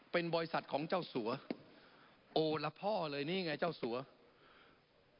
เป็นบริษัทของเจ้าสัวโอละพ่อเลยนี่ไงเจ้าสัว